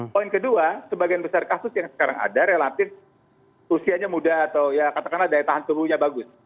poin kedua sebagian besar kasus yang sekarang ada relatif usianya muda atau ya katakanlah daya tahan tubuhnya bagus